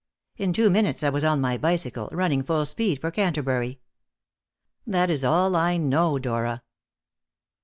In two minutes I was on my bicycle, running full speed for Canterbury. That is all I know, Dora."